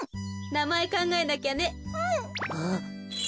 なまえかんがえなきゃね。